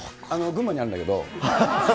群馬にあるんだけど。